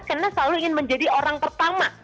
karena selalu ingin menjadi orang pertama